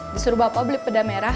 disuruh bapak beli peda merah